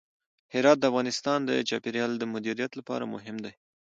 هرات د افغانستان د چاپیریال د مدیریت لپاره مهم دی.